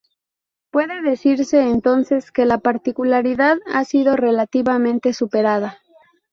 Puede decirse, entonces, que la particularidad ha sido relativamente superada.